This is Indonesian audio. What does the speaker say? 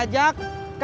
ada apa bu